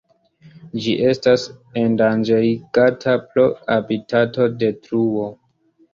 Ĝi estas endanĝerigata pro habitatodetruo.